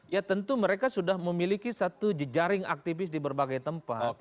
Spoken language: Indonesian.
ya tentu mereka sudah memiliki satu jejaring aktivis di berbagai tempat